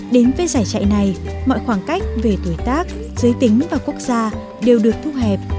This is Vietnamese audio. đến với giải chạy này mọi khoảng cách về tuổi tác giới tính và quốc gia đều được thu hẹp